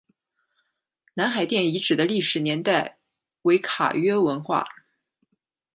南海殿遗址的历史年代为卡约文化。